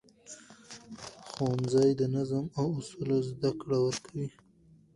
ښوونځی د نظم او اصولو زده کړه ورکوي